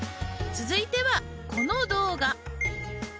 続いてはこの動画。